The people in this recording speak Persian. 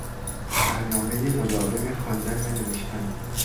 برنامهی مداوم خواندن و نوشتن